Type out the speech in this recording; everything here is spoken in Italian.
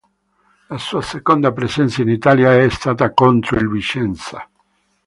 La sua seconda presenza in Italia è stata contro il Vicenza.